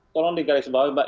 tolong digaris bawah mbak